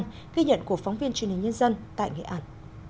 ghi nhận của phóng viên truyền hình nhân dân tại nghệ an